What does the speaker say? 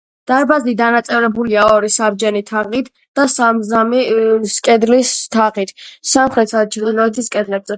დარბაზი დანაწევრებულია ორი საბჯენი თაღით და სამ-სამი კედლის თაღით, სამხრეთისა და ჩრდილოეთის კედლებზე.